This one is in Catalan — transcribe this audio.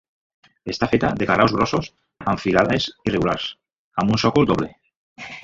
Està feta de carreus grossos amb filades irregulars, amb un sòcol doble.